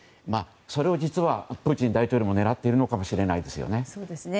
それを実はプーチン大統領も狙っているのかもしれないですね。